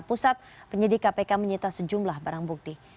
pusat penyidik kpk menyita sejumlah barang bukti